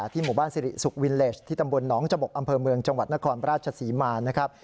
หมู่บ้านสิริสุขวินเลสที่ตำบลหนองจบกอำเภอเมืองจังหวัดนครราชศรีมานะครับ